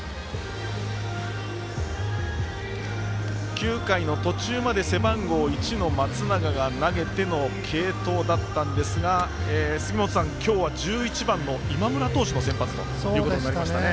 ９回の途中まで背番号１の松永が投げての継投だったんですが今日は１１番の今村投手の先発ということになりましたね。